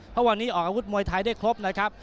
เพราะวันนี้ออกอาวุธมวยไทยได้ครบนะครับ